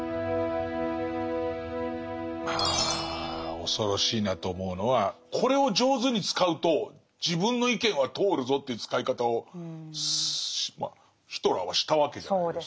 ああ恐ろしいなと思うのはこれを上手に使うと自分の意見は通るぞという使い方をヒトラーはしたわけじゃないですか。